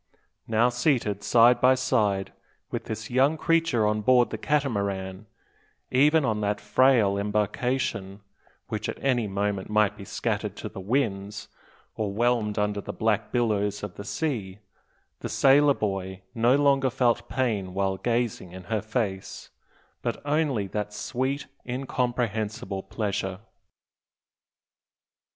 Now, seated side by side with this young creature on board the Catamaran, even on that frail embarkation, which at any moment might be scattered to the winds, or whelmed under the black billows of the sea, the sailor boy no longer felt pain while gazing in her face, but only that sweet incomprehensible pleasure.